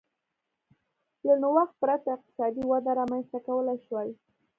له نوښت پرته اقتصادي وده رامنځته کولای شوای